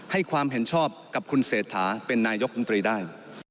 ให้ความเห็นชอบกับคุณเสธหาเป็นนายโยกคุงตรีได้